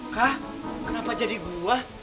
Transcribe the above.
kak kenapa jadi gua